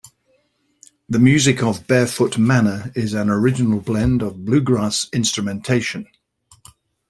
The music of Barefoot Manner is an original blend of bluegrass instrumentation.